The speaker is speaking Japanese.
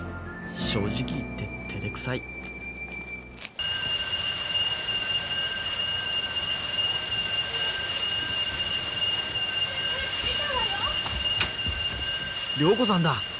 正直言っててれくさい涼子さんだ。